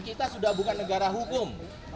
kita sudah bukan negara hukum